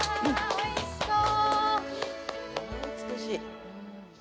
おいしそう！